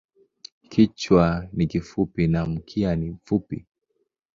Kichwa ni kifupi na mkia ni mfupi.